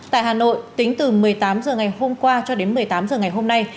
tại hà nội tính từ một mươi tám h ngày hôm qua cho đến một mươi tám h ngày hôm nay